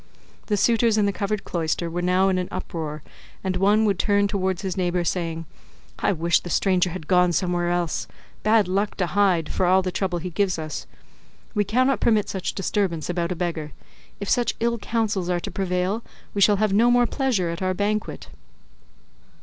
The suitors in the covered cloister were now in an uproar, and one would turn towards his neighbour, saying, "I wish the stranger had gone somewhere else, bad luck to him, for all the trouble he gives us. We cannot permit such disturbance about a beggar; if such ill counsels are to prevail we shall have no more pleasure at our banquet."